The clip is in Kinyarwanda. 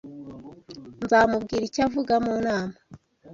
Nzamubwira icyo avuga mu nama.